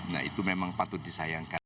nah itu memang patut disayangkan